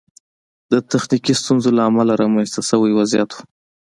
د تخنیکي ستونزو له امله رامنځته شوی وضعیت و.